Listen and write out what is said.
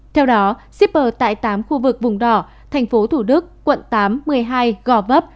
theo đó shipper tại tám khu vực vùng đỏ tp thủ đức quận tám một mươi hai gò vấp